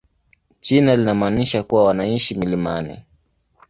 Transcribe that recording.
Jina linamaanisha kuwa wanaishi milimani.